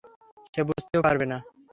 সে বুঝতেও পারবে না!